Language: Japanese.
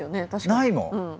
ないもん。